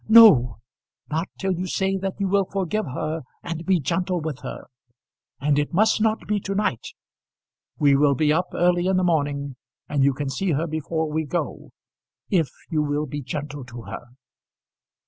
"No; not till you say that you will forgive her and be gentle with her. And it must not be to night. We will be up early in the morning, and you can see her before we go; if you will be gentle to her."